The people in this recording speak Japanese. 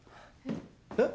えっ？